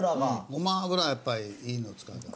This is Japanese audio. ごま油はやっぱりいいの使わなきゃ。